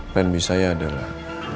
plan b saya adalah